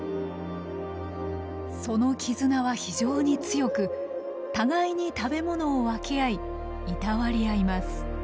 その絆は非常に強く互いに食べ物を分け合いいたわり合います。